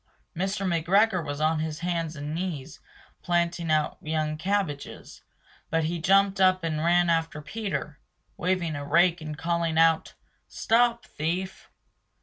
Mr. McGregor was on his hands and knees planting out young cabbages, but he jumped up and ran after Peter, waving a rake and calling out "Stop thief!"